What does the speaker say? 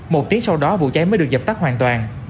một tiếng sau đó vụ cháy mới được dập tắt hoàn toàn